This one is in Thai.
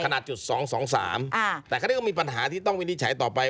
ขนาดจุด๒๒๓แต่ก็มีปัญหาที่ต้องวินิจฉัยต่อไป